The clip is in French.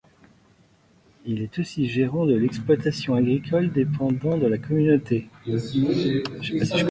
Il est aussi gérant de l’exploitation agricole dépendant de la communauté.